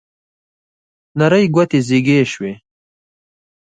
نرۍ ګوتې زیږې شوې